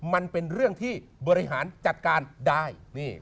มันเป็นเรื่องที่บริหารจัดการได้